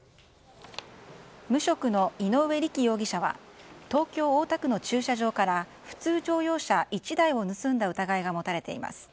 無職の井上力容疑者は東京・大田区の駐車場から普通乗用車１台を盗んだ疑いが持たれています。